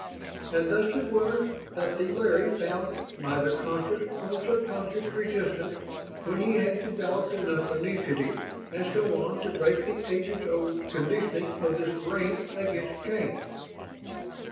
And thus it was that the Larry found neither conscious nor subconscious resistance when he had developed enough initiative and so on to break the ages old conditioning of this brain against change."